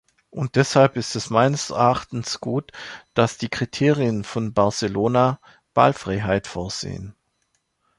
Und deshalb ist es meines Erachtens gut, dass die Kriterien von Barcelona Wahlfreiheit vorsehen.